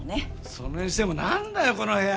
それにしてもなんだよこの部屋。